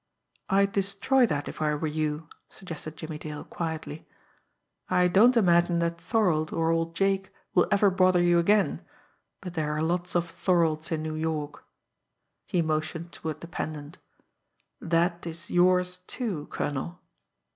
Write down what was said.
"I'd destroy that if I were you," suggested Jimmie Dale quietly. "I don't imagine that Thorold or old Jake will ever bother you again, but there are lots of 'Thorolds' in New York." He motioned toward the pendant. "That is yours, too, colonel."